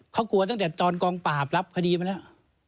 เขากลัวตั้งแต่ตอนกองปราบรับคดีมาแล้ว